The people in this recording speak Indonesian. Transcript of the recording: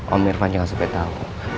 om irfan jangan sampai tau